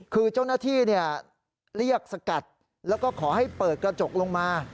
คือเจ้าหน้าที่เรียกสกัดแล้วก็ขอให้เปิดกระจกลงมา